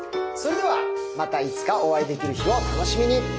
それではまたいつかお会いできる日を楽しみに。